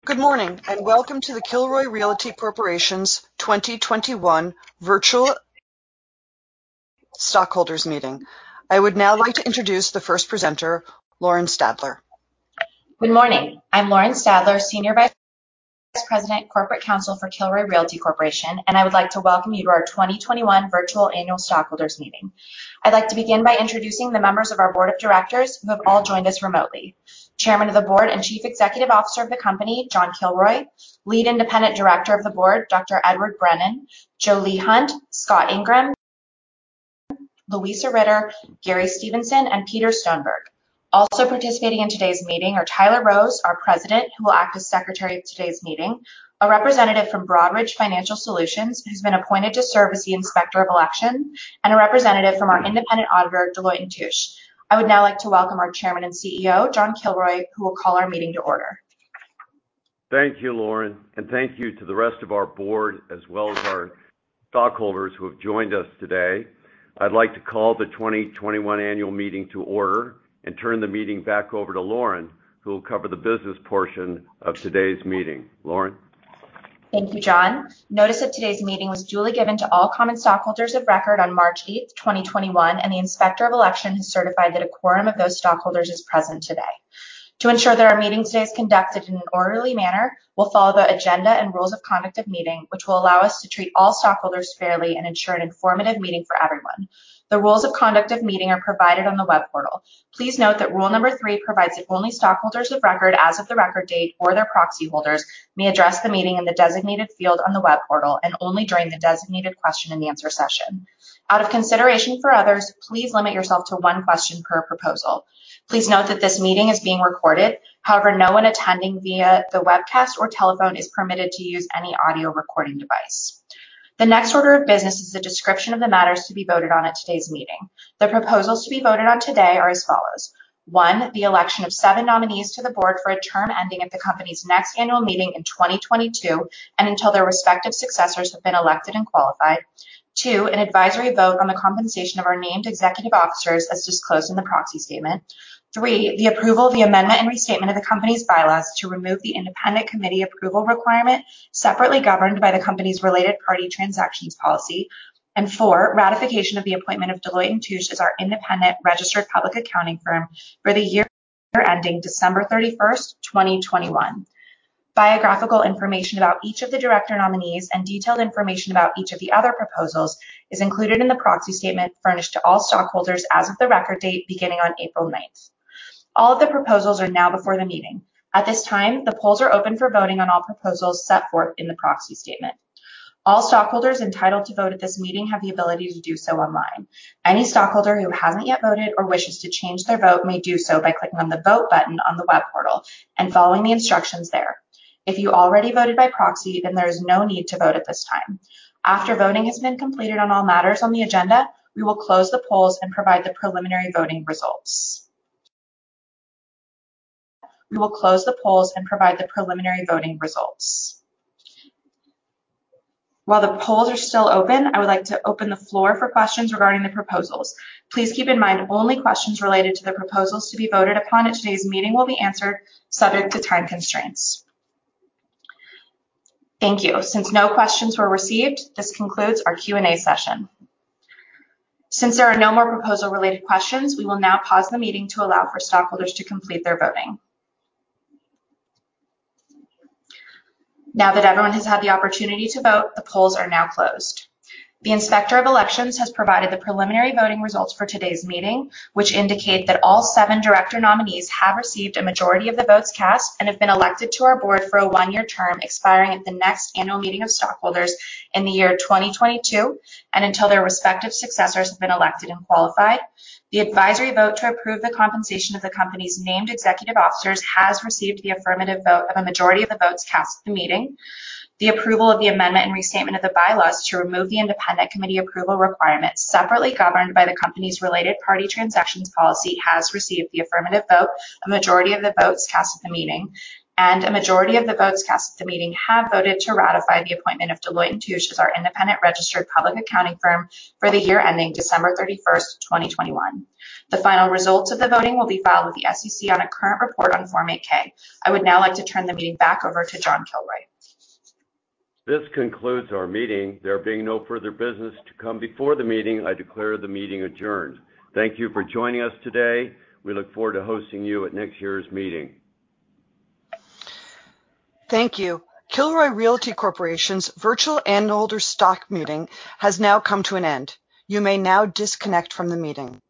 Good morning, and welcome to the Kilroy Realty Corporation's 2021 Virtual Stockholders Meeting. I would now like to introduce the first presenter, Lauren Stadler. Good morning. I'm Lauren Stadler, Senior Vice President, Corporate Counsel for Kilroy Realty Corporation. I would like to welcome you to our 2021 Virtual Annual Stockholders Meeting. I'd like to begin by introducing the members of our Board of Directors who have all joined us remotely. Chairman of the Board and Chief Executive Officer of the company, John Kilroy, Lead Independent Director of the board, Dr. Edward Brennan, Jolie Hunt, Scott Ingraham, Louisa Ritter, Gary Stevenson, and Peter Stoneberg. Also participating in today's meeting are Tyler Rose, our President, who will act as Secretary of today's meeting, a representative from Broadridge Financial Solutions, who's been appointed to serve as the Inspector of Election, and a representative from our independent auditor, Deloitte & Touche. I would now like to welcome our Chairman and CEO, John Kilroy, who will call our meeting to order. Thank you, Lauren, and thank you to the rest of our board, as well as our stockholders who have joined us today. I'd like to call the 2021 annual meeting to order and turn the meeting back over to Lauren, who will cover the business portion of today's meeting. Lauren. Thank you, John. Notice of today's meeting was duly given to all common stockholders of record on March 8th, 2021, and the Inspector of Election has certified that a quorum of those stockholders is present today. To ensure that our meeting today is conducted in an orderly manner, we'll follow the agenda and rules of conduct of meeting, which will allow us to treat all stockholders fairly and ensure an informative meeting for everyone. The rules of conduct of meeting are provided on the web portal. Please note that rule number 3 provides that only stockholders of record as of the record date, or their proxy holders, may address the meeting in the designated field on the web portal and only during the designated question-and-answer session. Out of consideration for others, please limit yourself to one question per proposal. Please note that this meeting is being recorded. However, no one attending via the webcast or telephone is permitted to use any audio recording device. The next order of business is a description of the matters to be voted on at today's meeting. The proposals to be voted on today are as follows. One, the election of seven nominees to the board for a term ending at the company's next annual meeting in 2022, and until their respective successors have been elected and qualified. Two, an advisory vote on the compensation of our named executive officers as disclosed in the proxy statement. Three, the approval of the amendment and restatement of the company's bylaws to remove the independent committee approval requirement separately governed by the company's related party transactions policy. Four, ratification of the appointment of Deloitte & Touche as our independent registered public accounting firm for the year ending December 31st, 2021. Biographical information about each of the director nominees and detailed information about each of the other proposals is included in the proxy statement furnished to all stockholders as of the record date beginning on April 9th. All of the proposals are now before the meeting. At this time, the polls are open for voting on all proposals set forth in the proxy statement. All stockholders entitled to vote at this meeting have the ability to do so online. Any stockholder who hasn't yet voted or wishes to change their vote may do so by clicking on the Vote button on the web portal and following the instructions there. If you already voted by proxy, then there is no need to vote at this time. After voting has been completed on all matters on the agenda, we will close the polls and provide the preliminary voting results. We will close the polls and provide the preliminary voting results. While the polls are still open, I would like to open the floor for questions regarding the proposals. Please keep in mind only questions related to the proposals to be voted upon at today's meeting will be answered subject to time constraints. Thank you. Since no questions were received, this concludes our Q&A session. Since there are no more proposal-related questions, we will now pause the meeting to allow for stockholders to complete their voting. Now that everyone has had the opportunity to vote, the polls are now closed. The Inspector of Elections has provided the preliminary voting results for today's meeting, which indicate that all seven director nominees have received a majority of the votes cast and have been elected to our board for a one-year term expiring at the next annual meeting of stockholders in the year 2022, and until their respective successors have been elected and qualified. The advisory vote to approve the compensation of the company's named executive officers has received the affirmative vote of a majority of the votes cast at the meeting. The approval of the amendment and restatement of the bylaws to remove the independent committee approval requirement separately governed by the company's related party transactions policy has received the affirmative vote, a majority of the votes cast at the meeting. A majority of the votes cast at the meeting have voted to ratify the appointment of Deloitte & Touche as our independent registered public accounting firm for the year ending December 31st, 2021. The final results of the voting will be filed with the SEC on a current report on Form 8-K. I would now like to turn the meeting back over to John Kilroy. This concludes our meeting. There being no further business to come before the meeting, I declare the meeting adjourned. Thank you for joining us today. We look forward to hosting you at next year's meeting. Thank you. Kilroy Realty Corporation's virtual stockholder stock meeting has now come to an end. You may now disconnect from the meeting.